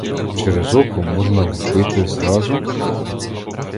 Через око можна вбити зразу?